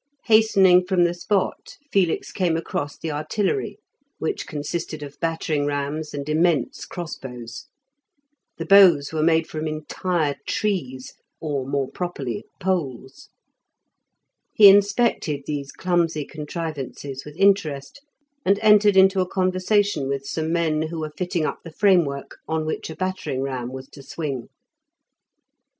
Hastening from the spot, Felix came across the artillery, which consisted of battering rams and immense crossbows; the bows were made from entire trees, or, more properly, poles. He inspected these clumsy contrivances with interest, and entered into a conversation with some men who were fitting up the framework on which a battering ram was to swing.